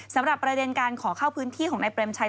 สำหรับประเด็นการขอเข้าพื้นที่ของนายเปรมชัย